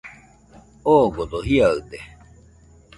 Odogo jiaɨde